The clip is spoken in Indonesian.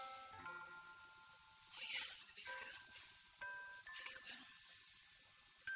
oh iya lebih baik segera